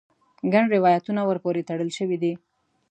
ګڼ روایتونه ور پورې تړل شوي دي.